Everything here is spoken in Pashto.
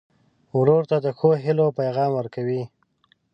ورور ته د ښو هيلو پیغام ورکوې.